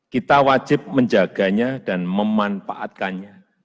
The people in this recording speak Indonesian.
kita wajib menjaganya dan memanfaatkannya